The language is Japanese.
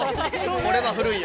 これは古いよ。